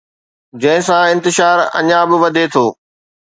جنهن سان انتشار اڃا به وڌي ٿو